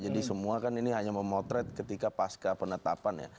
jadi semua kan ini hanya memotret ketika pasca penetapan ya